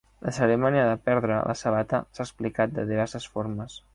La cerimònia de perdre la sabata s"ha explicat de diverses formes.